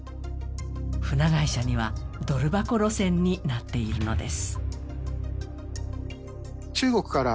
船会社にはドル箱路線になっているのです。